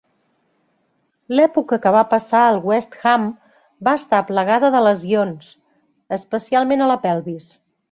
L'època que va passar al West Ham va estar plagada de lesions, especialment a la pelvis.